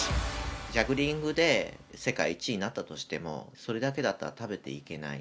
ジャグリングで、世界１位になったとしても、それだけだったら食べていけない。